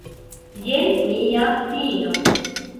Jen mia fino!